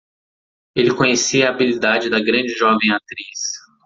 Ele conhecia a habilidade da grande jovem atriz.